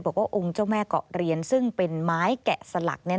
องค์เจ้าแม่เกาะเรียนซึ่งเป็นไม้แกะสลัก